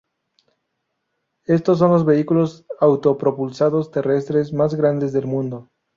Estos son los vehículos autopropulsados terrestres más grandes del mundo.